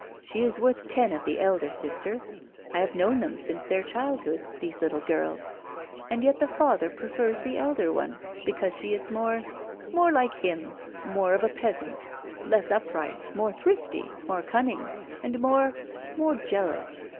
She is worth ten of the elder sister. I have known them since their childhood these little girls. And yet the father prefers the elder one, because she is more more like him more of a peasant less upright more thrifty more cunning and more more jealous.